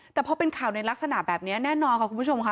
แต่พอเป็นข่าวในลักษณะแบบนี้แน่นอนค่ะคุณผู้ชมค่ะ